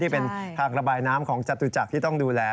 เป็นทางระบายน้ำของจตุจักรที่ต้องดูแล